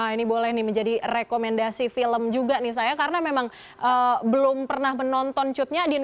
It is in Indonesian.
ini boleh nih menjadi rekomendasi film juga nih saya karena memang belum pernah menonton cutnya